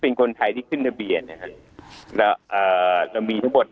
เป็นคนไทยที่ขึ้นทะเบียนนะครับแล้วอ่าเรามีทั้งหมด